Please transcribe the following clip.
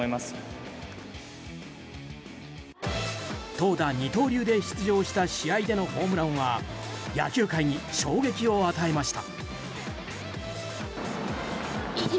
投打二刀流で出場した試合でのホームランは野球界に衝撃を与えました。